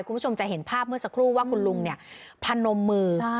คุณผู้ชมจะเห็นภาพเมื่อสักครู่ว่าคุณลุงเนี่ยพนมมือ